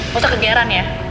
bisa kegeran ya